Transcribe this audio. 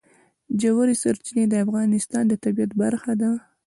ژورې سرچینې د افغانستان د طبیعت برخه ده.